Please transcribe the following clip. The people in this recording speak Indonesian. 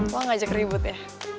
lo ngajak ribut ya